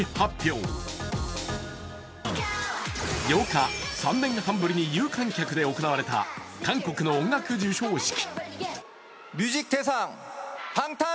８日、３年半ぶりに有観客で行われた、韓国の音楽授賞式。